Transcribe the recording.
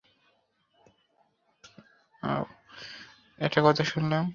তাঁহাতে আমরা সকলেই এক হইলেও ব্যক্তপ্রপঞ্চের মধ্যে এই ভেদগুলি অবশ্য চিরকাল বিদ্যমান থাকিবে।